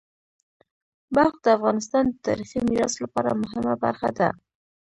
بلخ د افغانستان د تاریخی میراث لپاره مهمه برخه ده.